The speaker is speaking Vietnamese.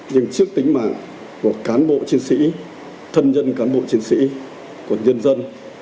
nhưng trước tính mạng của cán bộ chiến sĩ thân nhân cán bộ chiến sĩ của nhân dân